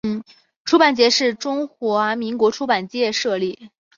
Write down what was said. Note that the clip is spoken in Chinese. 出版节是中华民国出版界设立。